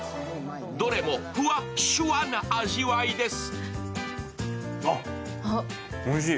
どれもふわっ、シュワな味わいです